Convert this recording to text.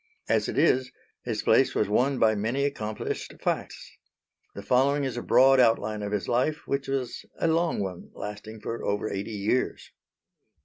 As it is his place was won by many accomplished facts. The following is a broad outline of his life, which was a long one lasting for over eighty years.